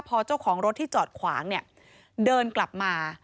พอเจ้าของรถที่จอดขวางเนี่ยเดินกลับมา